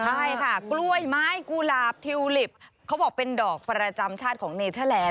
ใช่ค่ะกล้วยไม้กุหลาบทิวลิปเขาบอกเป็นดอกประจำชาติของเนเทอร์แลนด